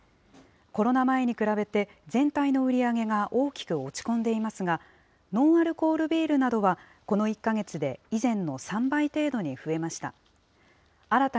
コロナ前に比べて、全体の売り上げが大きく落ち込んでいますが、ノンアルコールビールなどは、この１か月で以前の３倍程度に増えました。